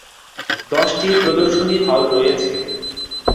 দশটি প্রদর্শনী হল রয়েছে।